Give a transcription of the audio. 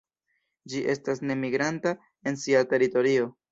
Ĝi estas nemigranta en sia teritorio.